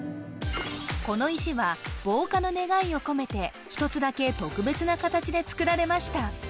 この石は防火の願いを込めて一つだけ特別な形で作られました